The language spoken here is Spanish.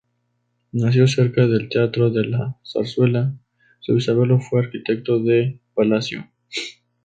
Nació cerca del teatro de la Zarzuela, su bisabuelo fue arquitecto de palacio.